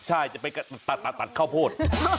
ใช่จะไปตัดข้าวโพด